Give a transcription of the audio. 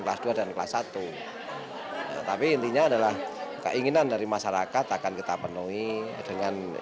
tapi intinya adalah keinginan dari masyarakat akan kita penuhi